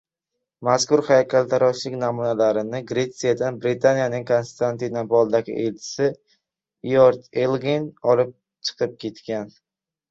Mazkur haykaltaroshlik namunalarini Gretsiyadan Britaniyaning Konstantinopoldagi elchisi lord Elgin olib chiqib ketgan